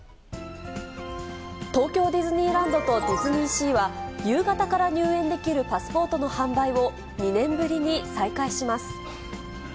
東京ディズニーランドとディズニーシーは、夕方から入園できるパスポートの販売を、２年ぶりに再開します。